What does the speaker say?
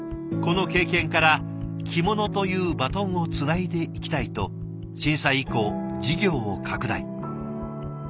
この経験から「着物というバトンをつないでいきたい」と震災以降事業を拡大。